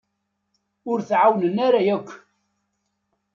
Ur t-ɛawnen ara yakk.